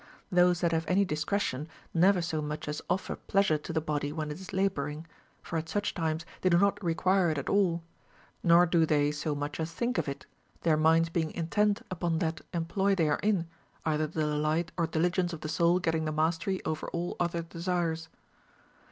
Those that have any discretion never so much as offer pleasure to the body when it is laboring, — for at such times they do not require it at all, — nor do they so much as think of it, theii• minds being intent upon that employ they are in, either the delight or diligence of the soul getting the mastery over all other desires.